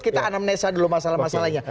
kita anamnesa dulu masalah masalahnya